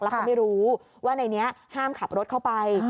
แล้วเขาไม่รู้ว่าในนี้ห้ามขับรถเข้าไป